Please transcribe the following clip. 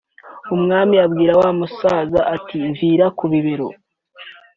Umwami abwira wa musazi ati “Mvira ku bibero”